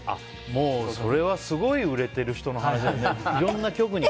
もう、それはすごい売れてる人の話だよね。